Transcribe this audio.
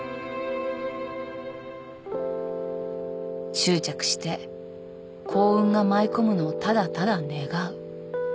執着して幸運が舞い込むのをただただ願う。